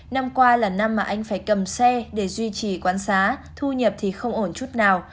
năm qua là năm mà anh phải cầm xe để duy trì quán xá thu nhập thì không ổn chút nào